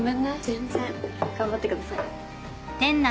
全然。頑張ってください。